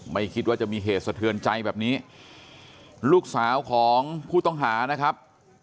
ไม่คิดว่าจะมีเหตุสะเทือนใจแบบนี้ลูกสาวของผู้ต้องหานะครับ